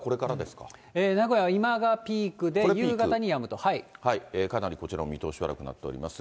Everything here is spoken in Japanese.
名古屋は今がピークで、夕方かなりこちらも見通し悪くなっております。